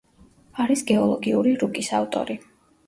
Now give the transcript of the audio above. არის გეოლოგიური რუკის ავტორი.